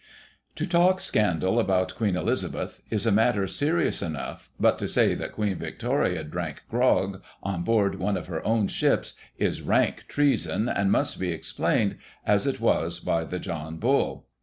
To "talk scandal about Queen Elizabeth" is a matter serious enough, but to say that Queen Victoria drank grog on board one of her own ships is rank treason, and must be explained, as it was by the John Bull.